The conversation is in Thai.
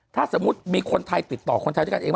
ถ้าสมมุติมีคนไทยติดต่อคนไทยด้วยกันเอง